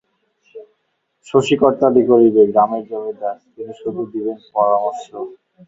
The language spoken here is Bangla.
শশী কর্তালি করিবে, গ্রামের জমিদার, তিনি শুধু দিবেন পরামর্শ?